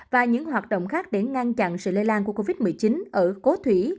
và những hoạt động khác để ngăn chặn sự lây lan của covid một mươi chín ở cố thủy